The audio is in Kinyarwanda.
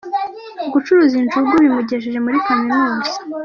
Gucuruza injugu bimugejeje muri kaminuza